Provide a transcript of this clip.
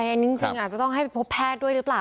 จริงอาจจะต้องให้ไปพบแพทย์ด้วยหรือเปล่า